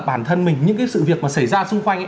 bản thân mình những cái sự việc mà xảy ra xung quanh